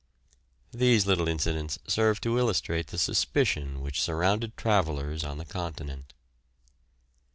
These little incidents serve to illustrate the suspicion which surrounded travellers on the continent.